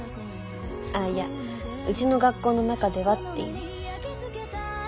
あっいや「うちの学校の中では」って意味。